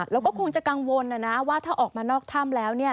แล้วก็คงจะกังวลนะนะว่าถ้าออกมานอกถ้ำแล้ว